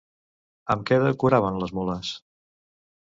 Amb què decoraven les mules?